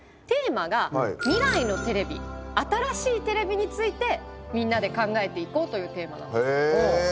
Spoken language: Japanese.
テーマが「未来のテレビあたらしいテレビについてみんなで考えていこう」というテーマなんです。